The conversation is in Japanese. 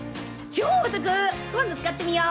超お得今度使ってみよう！